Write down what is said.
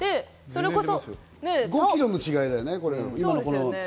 ５キロの違いだよね。